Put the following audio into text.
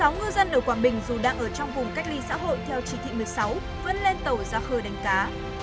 sáu ngư dân ở quảng bình dù đang ở trong vùng cách ly xã hội theo chỉ thị một mươi sáu vẫn lên tàu ra khơi đánh cá